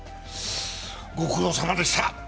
ご苦労さまでした。